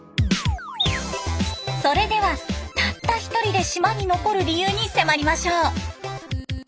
それではたった一人で島に残る理由に迫りましょう。